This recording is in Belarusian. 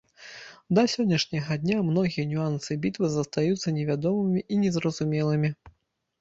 Да сённяшняга дня многія нюансы бітвы застаюцца невядомымі і незразумелымі.